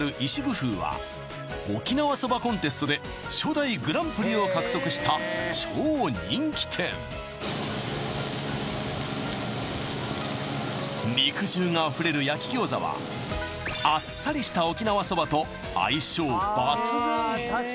ふーは沖縄そばコンテストで初代グランプリを獲得した超人気店肉汁があふれる焼き餃子はあっさりした沖縄そばと相性抜群！